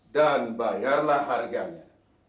dan bayarlah harganya